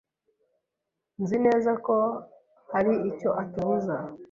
Nzi neza ko hari icyo atubuza.